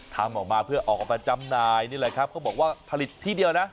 ทำออกมาเพื่อออกมาจำหน่ายนี่แหละครับเขาบอกว่าผลิตที่เดียวนะ